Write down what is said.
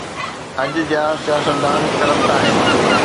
اڄ جا سياستدان ڪرپٽ آهن